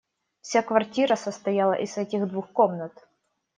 Вся квартира состояла из этих двух комнат.